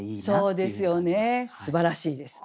そうですよねすばらしいです。